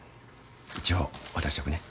一応渡しとくね。